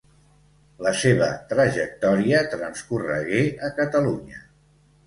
La seva trajectòria transcorregué a Catalunya.